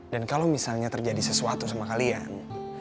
kalau misalnya terjadi sesuatu sama kalian